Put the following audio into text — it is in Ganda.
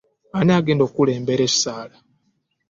Ani agenda okukulembera esaala?